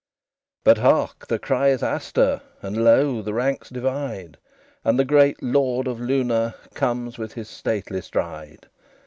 XLII But hark! the cry is Astur: And lo! the ranks divide; And the great Lord of Luna Comes with his stately stride.